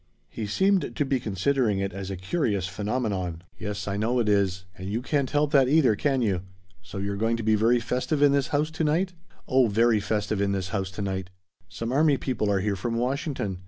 He seemed to be considering it as a curious phenomenon. "Yes, I know it is. And you can't help that either, can you? So you're going to be very festive in this house to night?" "Oh very festive in this house to night. Some army people are here from Washington.